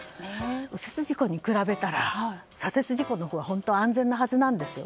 右折事故に比べたら左折事故のほうが安全なはずなんですよ。